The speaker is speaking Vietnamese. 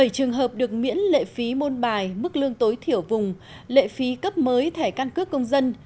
bảy trường hợp được miễn lệ phí môn bài mức lương tối thiểu vùng lệ phí cấp mới thẻ căn cước công dân